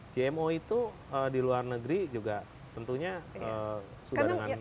jmo itu di luar negeri juga tentunya sudah dengan